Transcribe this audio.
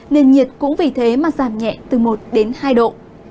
nền nhiệt cũng vì thế mà giảm nhẹ từ một đến hai độ